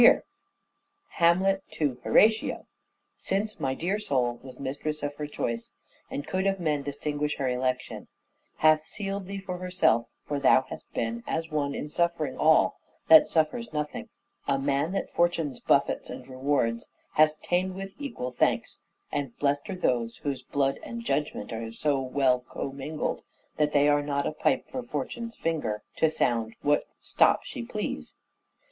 Character Hamlet to Horatio :— de Vertf *'' Since my dear soul was mistress of her choice, And could of men distinguish, her election Hath seal'd thee for herself ; for thou hast been As one, in suffering all, that suffers nothing, A man that Fortune's buffets and rewards Hast ta'en with equal thanks ; and bless 'd are those Whose blood and judgment are so well commingled That they are not a pipe for fortune's finger To sound what stop she please.